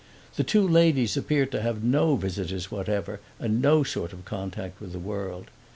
The two ladies appeared to have no visitors whatever and no sort of contact with the world.